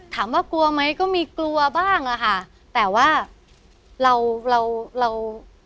กลัวไหมก็มีกลัวบ้างอะค่ะแต่ว่าเราเราเราเรา